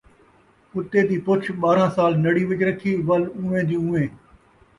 کتے دی پُچھ ٻارہاں سال نڑی وِچ رکھی ، ولدی اون٘ویں دی اون٘ویں